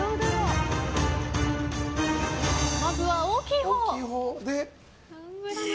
まずは大きいほう。